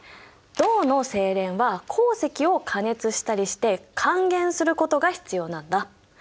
銅の製錬は鉱石を加熱したりして還元することが必要なんだ。